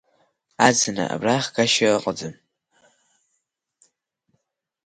Аӡынра абра хгашьа ыҟаӡам.